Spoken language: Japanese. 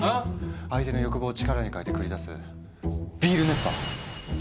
相手の欲望を力に変えて繰り出す「ビール熱波」！